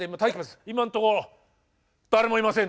今んとこ誰もいません」